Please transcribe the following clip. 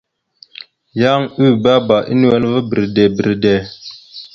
Yan ʉbebá a nʉwel ava bredey bredey.